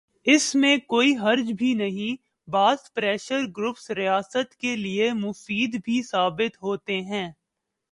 اس میں کوئی حرج بھی نہیں، بعض پریشر گروپس ریاست کے لئے مفید بھی ثابت ہوتے ہیں۔